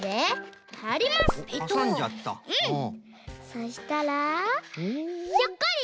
そしたらひょっこり！